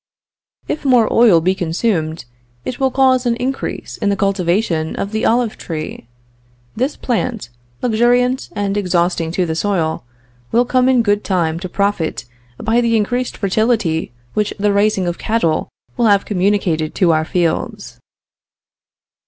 "If more oil be consumed, it will cause an increase in the cultivation of the olive tree. This plant, luxuriant and exhausting to the soil, will come in good time to profit by the increased fertility which the raising of cattle will have communicated to our fields.